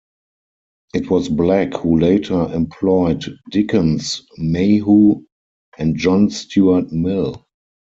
It was Black who later employed Dickens, Mayhew, and John Stuart Mill.